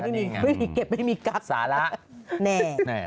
ไม่มีเก็บไม่มีกับสาระแน่